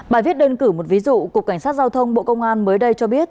bài viết đơn cử một ví dụ cục cảnh sát giao thông bộ công an mới đây cho biết